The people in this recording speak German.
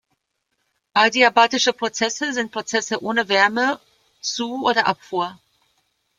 Adiabatische Prozesse sind Prozesse ohne Wärme Zu- oder Abfuhr.